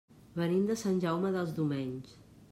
Venim de Sant Jaume dels Domenys.